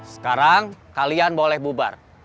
sekarang kalian boleh bubar